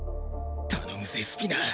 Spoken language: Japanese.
頼むぜスピナー。